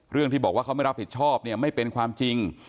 ที่บอกว่าเขาไม่รับผิดชอบเนี่ยไม่เป็นความจริง